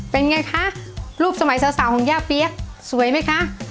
เป็นไงคะรูปสมัยสาวของย่าเปี๊ยกสวยไหมคะ